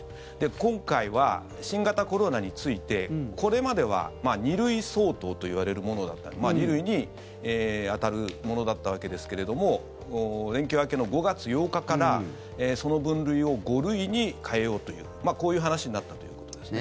今回は新型コロナについてこれまでは２類相当といわれるものだった２類に当たるものだったわけですけれど連休明けの５月８日からその分類を５類に変えようというこういう話になったということですね。